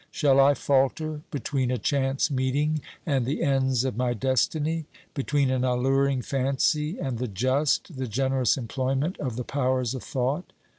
Shall I falter between a chance meeting and the ends of my destiny? between an alluring fancy and the just, the generous employment of the powers of thought?